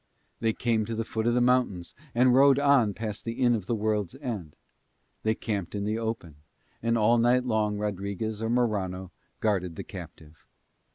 They came to the foot of the mountains, and rode on past the Inn of the World's End. They camped in the open; and all night long Rodriguez or Morano guarded the captive.